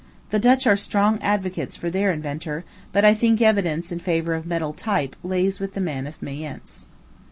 The Dutch are strong advocates for their inventor; but I think evidence in favor of metal type lies with the man of Mayence.